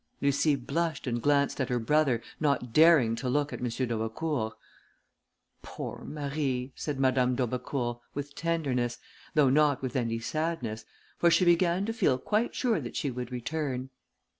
Lucie blushed and glanced at her brother, not daring to look at M. d'Aubecourt. "Poor Marie!" said Madame d'Aubecourt, with tenderness, though not with any sadness, for she began to feel quite sure that she would return.